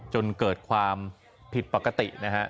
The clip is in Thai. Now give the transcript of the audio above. จนเกิดความผิดปกตินะฮะ